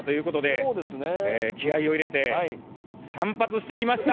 気合いを入れて散髪してきました！